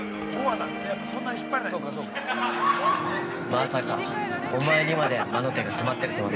◆まさかおまえにまで魔の手が迫ってるとはな。